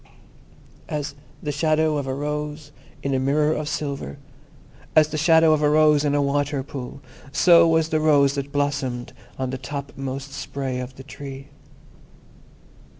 As the shadow of a rose in a mirror of silver, as the shadow of a rose in a water pool, so was the rose that blossomed on the topmost spray of the Tree.